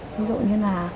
ví dụ như là